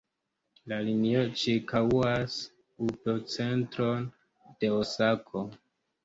La linio ĉirkaŭas urbocentron de Osako.